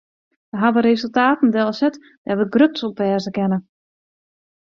Wy hawwe resultaten delset dêr't wy grutsk op wêze kinne.